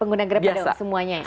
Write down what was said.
pengguna grab semuanya ya